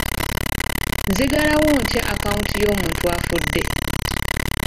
Nzigalawo ntya akaawunti y'omuntu afudde?